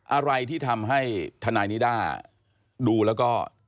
อะไรที่ทำให้ทนายนิด้าดูแล้วก็